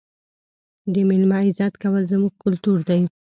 د مېلمه عزت کول زموږ کلتور دی.